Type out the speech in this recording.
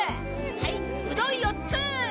はいうどん４つ！